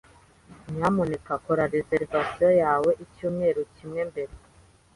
Nyamuneka kora reservation yawe icyumweru kimwe mbere.